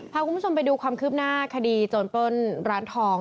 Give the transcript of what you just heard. พาคุณผู้ชมไปดูความคืบหน้าคดีโจรปล้นร้านทอง